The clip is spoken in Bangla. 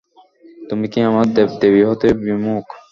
তুমি কি আমার দেব-দেবী হতে বিমুখ?